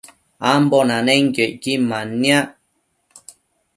ambo nanenquio icquin manniac